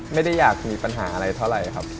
ไม่ได้อยากมีปัญหาอะไรเท่าไหร่ครับ